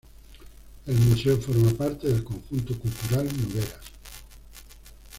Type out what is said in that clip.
El museo forma parte del conjunto cultural Nogueras.